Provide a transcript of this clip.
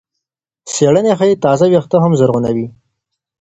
څېړنې ښيي تازه وېښته هم زرغونوي.